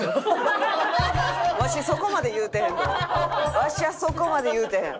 ワシはそこまで言うてへん！